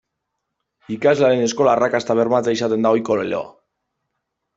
Ikaslearen eskola-arrakasta bermatzea izaten da ohiko leloa.